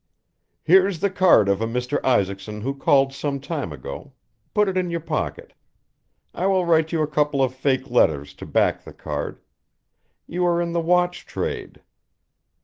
"Here's the card of a Mr. Isaacson who called some time ago, put it in your pocket. I will write you a couple of fake letters to back the card, you are in the watch trade.